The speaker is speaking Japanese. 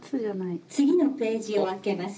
「次のページを開けます」。